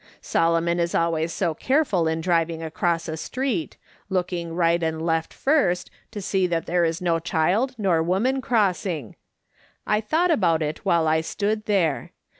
Solon] on is always so careful in driving across a street — looking right and left first, to see that there is no child nor woman crossing. I thought about it while I stood there.